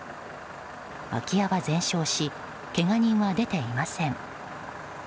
空き家は全焼しけが人は出ていません。